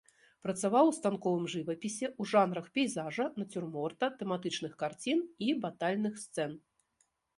Працаваў у станковым жывапісе, у жанрах пейзажа, нацюрморта, тэматычных карцін і батальных сцэн.